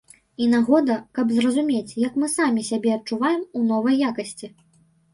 І нагода, каб зразумець, як мы самі сябе адчуваем у новай якасці.